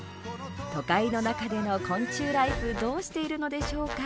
都会の中での昆虫ライフどうしているのでしょうか。